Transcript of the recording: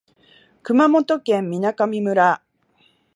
熊本県水上村